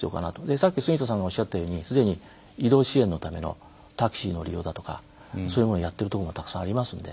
さっき杉田さんがおっしゃったようにすでに移動支援のためのタクシーの利用だとかそういうものやっているところもたくさんありますので。